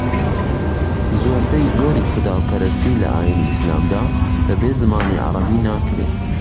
زۆربەی زۆری خوداپەرستی لە ئاینی ئیسلامدا بەبێ زمانی عەرەبی ناکرێ